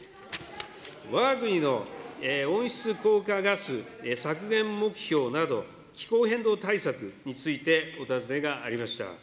わが国の温室効果ガス削減目標など、気候変動対策についてお尋ねがありました。